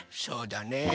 そうだね。